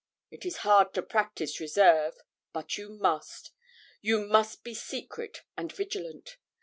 It is hard to practise reserve; but you must you must be secret and vigilant.